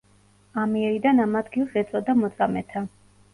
ამიერიდან ამ ადგილს ეწოდა მოწამეთა.